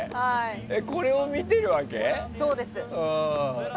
これを見てるわけ？